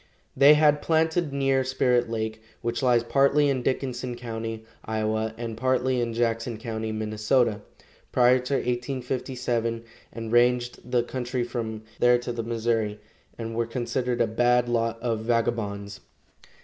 They had planted near Spirit lake, which lies partly in Dickinson county, Iowa, and partly in Jackson county, Minnesota, prior to 1857, and ranged the country from there to the Missouri, and were considered a bad lot of vagabonds.